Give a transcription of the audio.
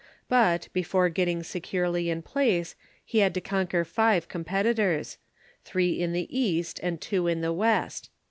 But, before getting securely in place, he had to conquer five competitors— three i^ii the East and two in the West.